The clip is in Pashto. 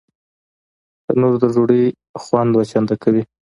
تنور د ډوډۍ خوند دوه چنده کوي